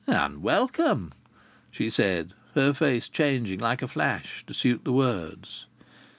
"And welcome," she said, her face changing like a flash to suit the words.